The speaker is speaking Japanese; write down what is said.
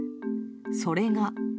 それが。